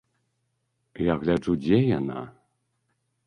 Я гляджу, дзе яна.